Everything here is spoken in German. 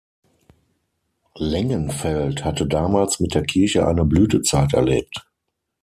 Lengenfeld hatte damals mit der Kirche eine Blütezeit erlebt.